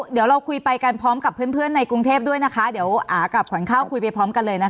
เดี๋ยวเราคุยไปกันพร้อมกับเพื่อนในกรุงเทพด้วยนะคะเดี๋ยวอากับขวัญข้าวคุยไปพร้อมกันเลยนะคะ